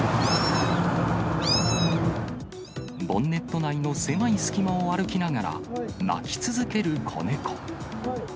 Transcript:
ボンネット内の狭い隙間を歩きながら、鳴き続ける子猫。